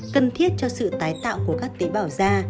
cần thiết cho sự tái tạo của các tế bào da